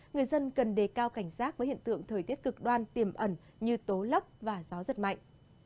người dân cần đề cao cảnh giác với hiện tượng thời tiết cực đoan tiềm ẩn như tố lốc và gió giật mạnh